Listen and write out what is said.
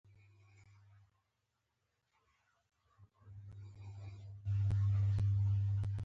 آیا مخکې لاړ نشو؟